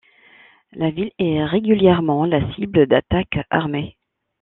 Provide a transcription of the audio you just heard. La ville est régulièrement la cible d'attaques armées.